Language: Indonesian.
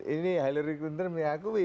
ini hillary clinton mengakui